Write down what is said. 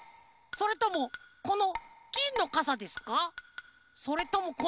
それともこのぎんのかさでしょうか？